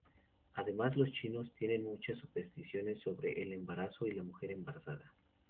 Además los chinos tienen muchas supersticiones sobre el embarazo y la mujer embarazada.